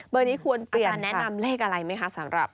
อาจารย์แนะนำเลขอะไรไหมคะสำหรับ